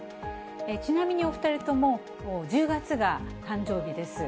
ちなみにお２人とも、１０月が誕生日です。